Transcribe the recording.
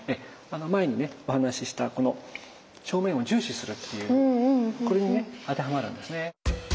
前にねお話しした正面を重視するっていうこれにね当てはまるんですね。